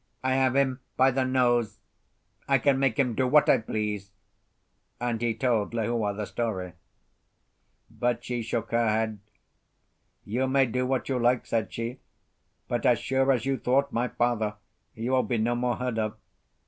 "I have him by the nose. I can make him do what I please." And he told Lehua the story. But she shook her head. "You may do what you like," said she; "but as sure as you thwart my father, you will be no more heard of.